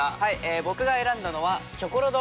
僕が選んだのはキョコロ丼★